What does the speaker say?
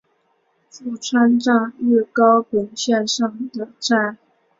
富川站日高本线上的站。